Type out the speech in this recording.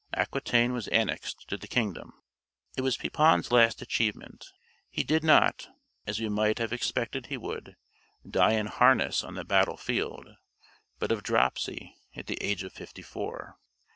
Aquitaine was annexed to the kingdom. It was Pepin's last achievement. He did not, as we might have expected he would, die in harness on the battle field, but of dropsy, at the age of fifty four.